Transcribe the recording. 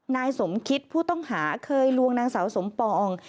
นายสมคิตผู้ต้องหาเคยลวงนางสาวสมปอง